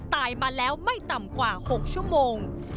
ตายมาแล้วไม่ต่ำกว่า๖ชั่วโมง